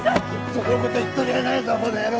嘘のこと言っとるやないぞこの野郎